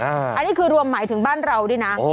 อันนี้คือรวมหมายถึงบ้านเราด้วยนะ